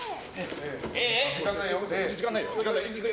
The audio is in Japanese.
時間ないよ。